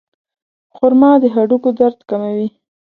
خرما د هډوکو درد کموي.